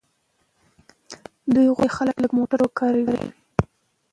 دوی غواړي خلک لږ موټر وکاروي.